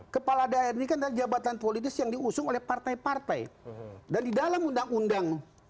kepala daerah ini kan adalah jabatan politis yang diusung oleh partai partai dan di dalam undang undang